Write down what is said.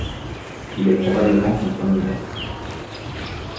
Il est probablement son premier maître.